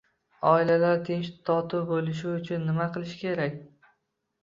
Oilalar tinch-totuv bo‘lishi uchun nima qilish kerak?